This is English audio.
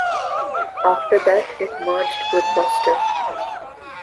After that it merged with Buster.